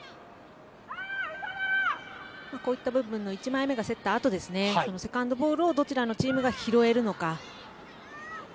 １枚目が競ったあとのセカンドボールをどちらのチームが拾えるのか。